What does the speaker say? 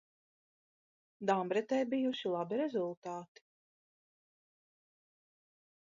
Dambretē bijuši labi rezultāti.